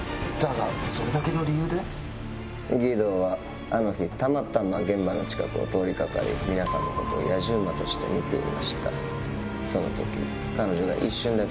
儀藤はあの日たまたま現場の近くを通り掛かり皆さんのことをやじ馬として見ていました。